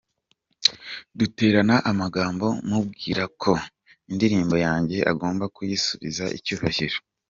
duterana amagambo mubwira ko indirimbo yanjye agomba kuyisubiza icyubahiro.